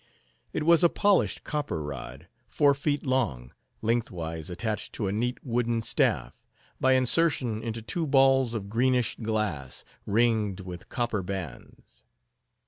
It was a polished copper rod, four feet long, lengthwise attached to a neat wooden staff, by insertion into two balls of greenish glass, ringed with copper bands.